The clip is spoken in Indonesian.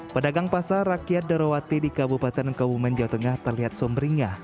pedagang pasar rakyat darawati di kabupaten kauman jawa tengah terlihat sombringah